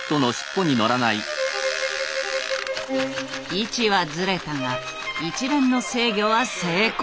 位置はズレたが一連の制御は成功。